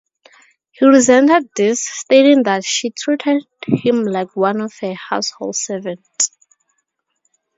He resented this, stating that she treated him like one of her household servants.